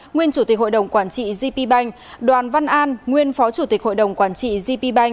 nguyên chủ tịch hội đồng quản trị gp bank đoàn văn an nguyên phó chủ tịch hội đồng quản trị gp bank